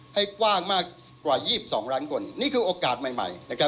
ให้กว้างมากกว่า๒๒๐๐๐คนนี่คือโอกาสใหม่